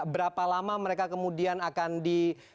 berapa lama mereka kemudian akan di